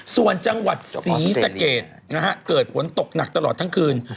ส่วนจังหวัดศรีสะเกดนะฮะเกิดฝนตกหนักตลอดทั้งคืน